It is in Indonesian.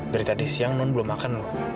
dari tadi siang non belum makan